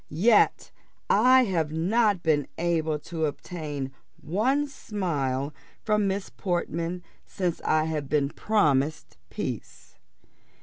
yet I have not been able to obtain one smile from Miss Portman since I have been promised peace."